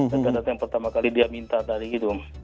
dan data data pertama kali dia minta tadi gitu